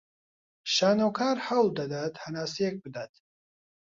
شانۆکار هەوڵ دەدات هەناسەیەک بدات